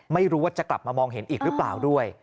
ไม่รู้ว่าจะกลับมามองเห็นอีกหรือเปล่าด้วย